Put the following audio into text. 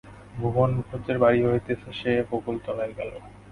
ভুবন মুখুজ্যের বাড়ি হইতে সে বকুলতলায় গেল।